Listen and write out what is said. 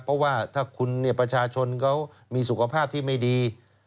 เพราะว่าถ้าคุณประชาชนเขามีสุขภาพที่ไม่ดี